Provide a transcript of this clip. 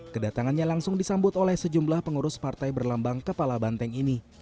kedatangannya langsung disambut oleh sejumlah pengurus partai berlambang kepala banteng ini